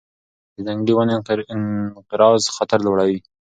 د ځنګلي ونو انقراض خطر لوړ دی.